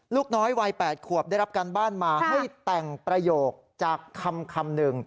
ลูกน้อยวัย๘ขวบได้รับการบ้านมาให้แต่งประโยคจากคำหนึ่ง